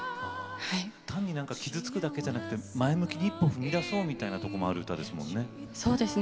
単に傷つくだけじゃなくて前向きに一歩踏み出そうみたいなところもある歌ですもんね。